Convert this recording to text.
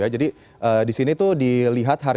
jadi di sini tuh dilihat harga